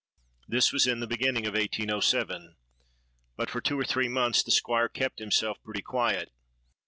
This was in the beginning of 1807; but for two or three months the Squire kept himself pretty quiet.